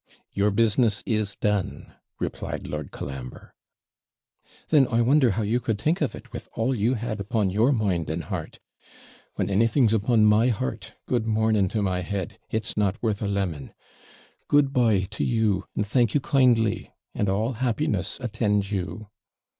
'Your business is done,' replied Lord Colambre. 'Then I wonder how you could think of it, with all you had upon your mind and heart. When anything's upon my heart, good morning to my head, it's not worth a lemon. Good bye to you, and thank you kindly, and all happiness attend you.'